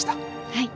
はい。